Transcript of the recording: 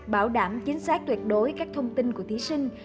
bảo đảm chính xác tuyệt đối các thông tin của thí sinh